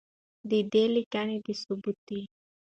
د ده لیکنې دا ثابتوي.